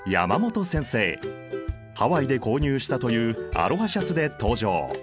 ハワイで購入したというアロハシャツで登場。